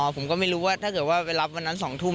ผมก็ไม่รู้ว่าถ้าเกิดว่าไปรับวันนั้น๒ทุ่ม